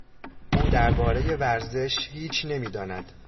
او دربارهی ورزش هیچ نمیداند.